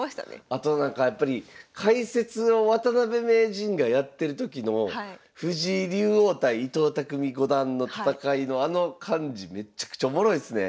あとなんかやっぱり解説を渡辺名人がやってる時の藤井竜王対伊藤匠五段の戦いのあの感じめっちゃくちゃおもろいっすね。